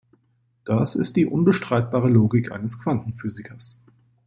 Das ist die unbestreitbare Logik eines Quantenphysikers.